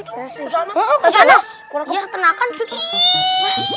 terus anak buka kandang kambing itu